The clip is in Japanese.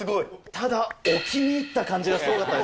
ただ、置きにいった感じがすごかったです。